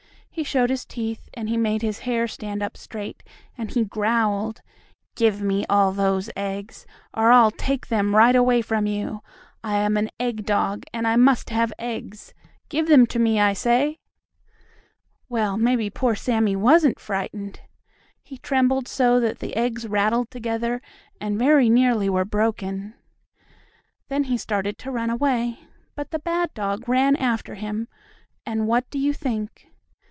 He showed his teeth, and he made his hair stand up straight, and he growled: "Give me all those eggs, or I'll take them right away from you! I am an egg dog, and I must have eggs. Give them to me, I say!" Well, maybe poor Sammie wasn't frightened! He trembled so that the eggs rattled together and very nearly were broken. Then he started to run away, but the bad dog ran after him, and what do you think?